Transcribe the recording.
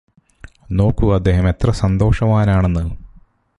നോക്കൂ അദ്ദേഹം എത്ര സന്തോഷവാനാണെന്ന്